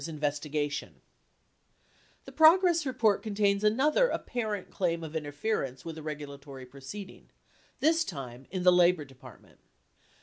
DOCK AND WHARF BUILDERS INVESTIGATION The progress report contains another apparent claim of interference with a regulatory proceeding, this time in the Labor Department.